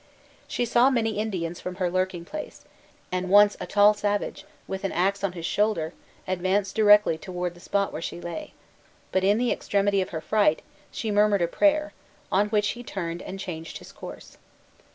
She saw many Indians from her lurking place, and once a tall savage, with an axe on his shoulder, advanced directly towards the spot where she lay: but, in the extremity of her fright, she murmured a prayer, on which he turned and changed his course.